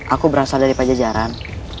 aku berasal dari pajajaran